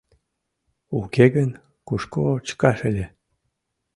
— Уке гын кушко чыкаш ыле?»